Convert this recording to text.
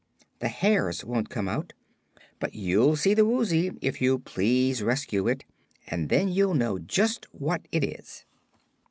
"The hairs won't come out. But you'll see the Woozy, if you'll please rescue it, and then you'll know just what it is."